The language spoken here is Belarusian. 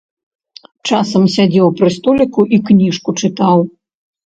Часам сядзеў пры століку і кніжку чытаў.